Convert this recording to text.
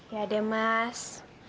ya deh mas